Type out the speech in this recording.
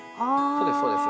そうですそうです。